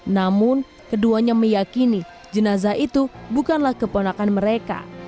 namun keduanya meyakini jenazah itu bukanlah keponakan mereka